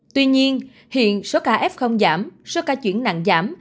tuy nhiên hiện số ca f không giảm số ca chuyển nặng giảm